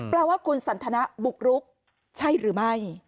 ว่าคุณสันทนะบุกรุกใช่หรือไม่